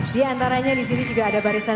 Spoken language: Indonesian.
diantaranya disini juga ada barisan